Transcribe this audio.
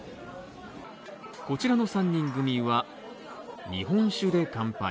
こちらの３人組は日本酒で乾杯。